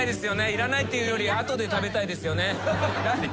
いらないっていうより後で食べたいですよね。